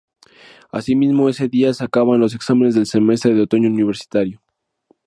Asimismo ese día se acaban los exámenes del semestre de otoño universitario.